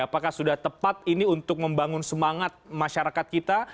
apakah sudah tepat ini untuk membangun semangat masyarakat kita